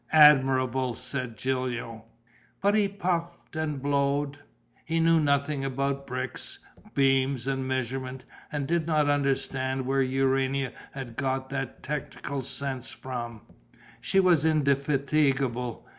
"Admirabile!" said Gilio. But he puffed and blowed. He knew nothing about bricks, beams and measurements and did not understand where Urania had got that technical sense from. She was indefatigable.